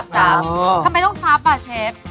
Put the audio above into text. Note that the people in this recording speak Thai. ทำไมต้องซับอ่ะเชฟ